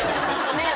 ねえ。